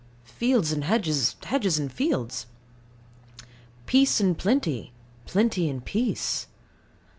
Fields and hedges, hedges and fields? Peace and plenty, plenty and peace.